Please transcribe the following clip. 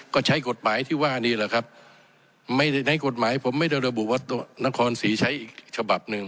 ก็ใช้กฎหมายที่ว่านี่แหละครับไม่ในกฎหมายผมไม่ได้ระบุว่านครศรีใช้อีกฉบับหนึ่ง